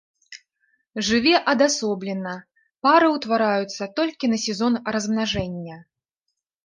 Жыве адасоблена, пары ўтвараюцца толькі на сезон размнажэння.